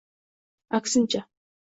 aksincha